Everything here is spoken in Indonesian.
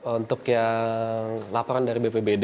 untuk yang laporan dari bpbd